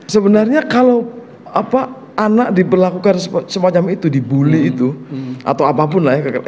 sebenarnya kalau apa anak diperlakukan semacam itu di bully itu atau apapun lah ya